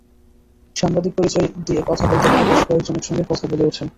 সাংবাদিক পরিচয় দিয়ে কথা বলতে গেলে বেশ কয়েকজন একসঙ্গে কথা বলে ওঠেন।